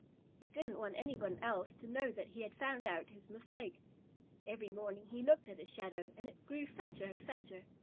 He didn't want anyone else to know that he had found out his mistake. Every morning he looked at his shadow, and it grew fatter and fatter.